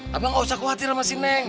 pak jangan khawatir sama si neng